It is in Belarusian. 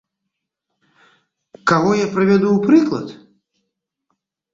Каго я прывяду ў прыклад?